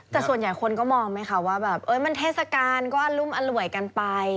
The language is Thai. แต่ส่วนใหญ่คนก็มองไหมคะว่าแบบมันเทศกาลก็อรุมอร่วยกันไป